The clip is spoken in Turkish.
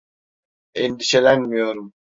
Endişelenmiyorum.